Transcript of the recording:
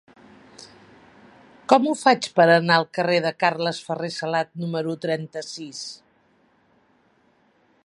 Com ho faig per anar al carrer de Carles Ferrer Salat número trenta-sis?